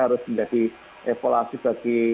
harus menjadi evaluasi bagi